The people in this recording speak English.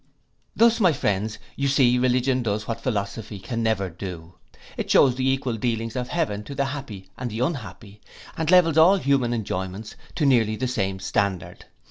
Thus, my friends, you see religion does what philosophy could never do: it shews the equal dealings of heaven to the happy and the unhappy, and levels all human enjoyments to nearly the same standard.